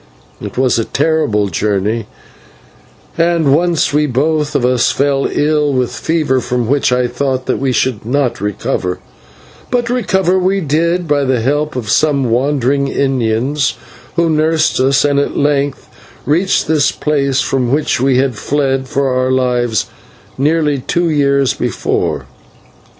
It was a terrible journey, and once we both of us fell ill with fever from which I thought that we should not recover; but recover we did by the help of some wandering Indians who nursed us, and at length reached this place from which we had fled for our lives nearly two years before.